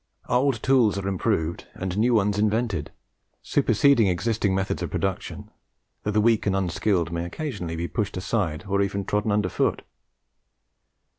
Old tools are improved and new ones invented, superseding existing methods of production, though the weak and unskilled may occasionally be pushed aside or even trodden under foot.